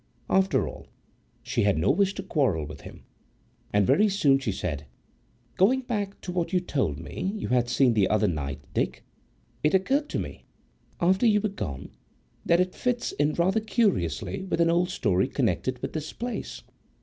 After all, she had no wish to quarrel with him. And very soon she said, "Going back to what you told me you had seen the other night, Dick, it occurred to me, after you were gone, that it fits in rather curiously with an old story connected with this place."